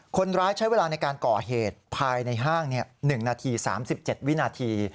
คนร้ายใช้เวลาในการก่อเหตุภายในห้าง๑นาที๓๗วินาที